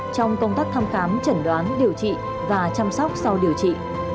trong công tác thăm khám chẩn đoán điều trị và chăm sóc sau điều trị